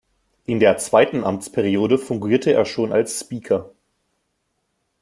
In der zweiten Amtsperiode fungierte er schon als Speaker.